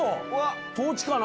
トウチかな？